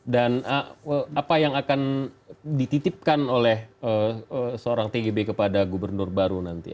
dan apa yang akan dititipkan oleh seorang tgb kepada gubernur baru nanti